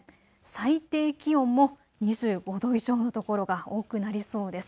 最低気温も２５度以上の所が多くなりそうです。